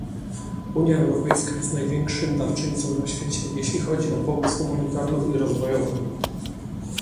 Unia Europejska jest największym darczyńcą na świecie, jeśli chodzi o pomoc humanitarną i rozwojową